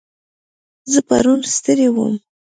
زه پرون ستړی وم.